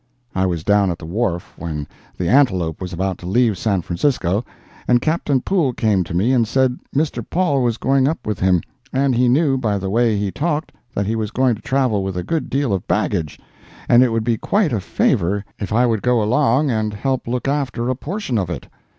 I was down at the wharf when the Antelope was about to leave San Francisco, and Captain Poole came to me and said Mr. Paul was going up with him, and he knew by the way he talked that he was going to travel with a good deal of baggage, and it would be quite a favor if I would go along and help look after a portion of it.